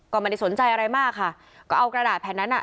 ก็ไม่ได้สนใจอะไรมากค่ะก็เอากระดาษแผ่นนั้นอ่ะ